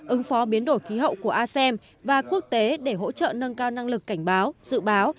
ứng phó biến đổi khí hậu của asem và quốc tế để hỗ trợ nâng cao năng lực cảnh báo dự báo